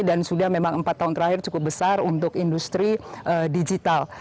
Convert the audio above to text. dan sudah memang empat tahun terakhir cukup besar untuk industri digital